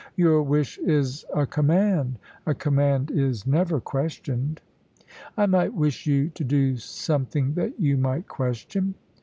"Your wish is a command. A command is never questioned." "I might wish you to do something that you might question."